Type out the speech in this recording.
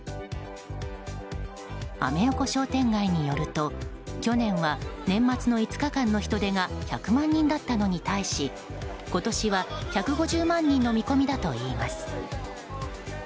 アメ横商店街によると去年は、年末の５日間の人出が１００万人だったのに対し今年は１５０万人の見込みだといいます。